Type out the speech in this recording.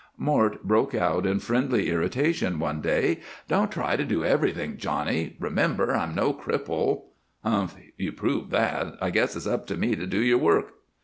Mort broke out in friendly irritation one day: "Don't try to do everything, Johnny. Remember I'm no cripple." "Humph! You proved that. I guess it's up to me to do your work."